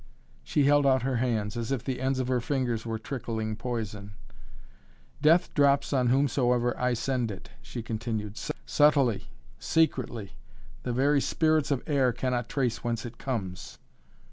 She held out her hands, as if the ends of her fingers were trickling poison. "Death drops on whomsoever I send it," she continued, "subtly, secretly. The very spirits of air cannot trace whence it comes."